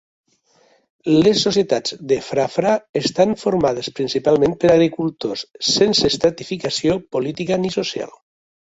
Les societats de Frafra estan formades principalment per agricultors, sense estratificació política ni social.